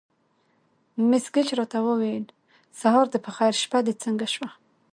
مس ګېج راته وویل: سهار دې په خیر، شپه دې څنګه شوه؟